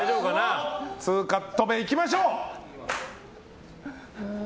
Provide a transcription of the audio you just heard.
２カット目いきましょう！